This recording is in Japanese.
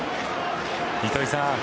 糸井さん